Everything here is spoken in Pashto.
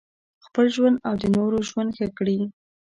خپل ژوند او د نورو ژوند ښه کړي.